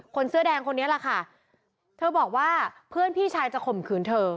เสื้อแดงคนนี้แหละค่ะเธอบอกว่าเพื่อนพี่ชายจะข่มขืนเธอ